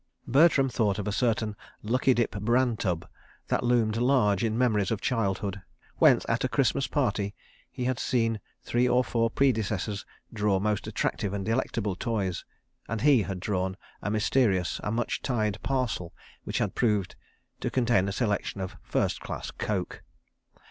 ... Bertram thought of a certain "lucky dip bran tub," that loomed large in memories of childhood, whence, at a Christmas party, he had seen three or four predecessors draw most attractive and delectable toys and he had drawn a mysterious and much tied parcel which had proved to contain a selection of first class coke.